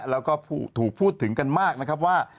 แล้วก็ถูกพูดถึงกันมากนะครับว่า